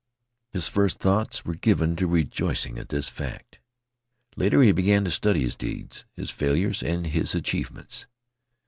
His first thoughts were given to rejoicings at this fact. Later he began to study his deeds, his failures, and his achievements.